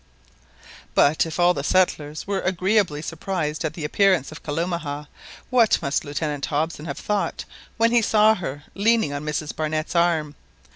But if all the settlers were agreeably surprised at the appearance of Kalumah, what must Lieutenant Hobson have thought when he saw her leaning on Mrs Barnett's arm.